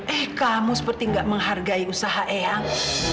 eh kamu seperti gak menghargai usaha eyang